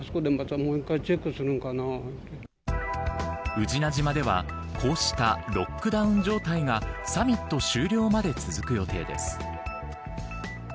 宇品島では、こうしたロックダウン状態がサミット終了まで続く予定です。